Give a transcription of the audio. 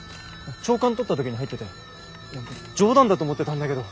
朝刊取った時に入ってて冗談だと思ってたんだけど。